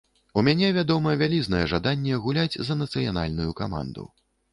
У мяне, вядома, вялізнае жаданне гуляць за нацыянальную каманду.